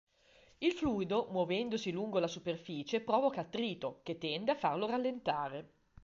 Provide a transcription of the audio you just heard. Il fluido, muovendosi lungo la superficie provoca attrito, che tende a farlo rallentare.